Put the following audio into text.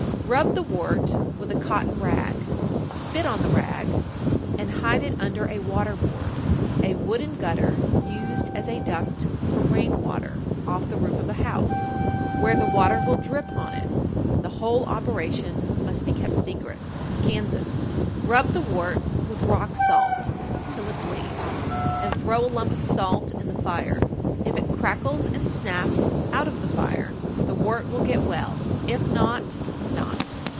_ 918. Rub the wart with a cotton rag, spit on the rag and hide it under a water board (a wooden gutter used as a duct for rain water off the roof of a house), where the water will drip on it. The whole operation must be kept secret. Kansas. 919. Rub the wart with rock salt till it bleeds, and throw a lump of salt in the fire; if it crackles and snaps out of the fire, the wart will get well; if not, not.